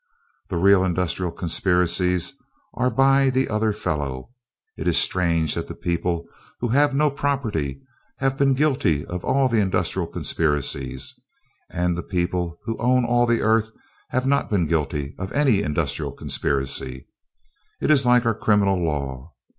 The real industrial conspiracies are by the other fellow. It is strange that the people who have no property have been guilty of all of the industrial conspiracies, and the people who own all the earth have not been guilty of any industrial conspiracy. It is like our criminal law.